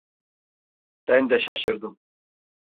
Ben de şaşırdım.